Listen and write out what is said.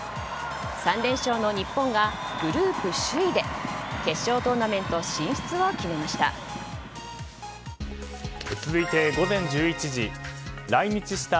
３連勝の日本がグループ首位で決勝トーナメント進出を決めました。